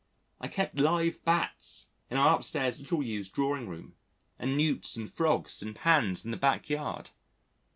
I kept live Bats in our upstairs little used drawing room, and Newts and Frogs in pans in the backyard.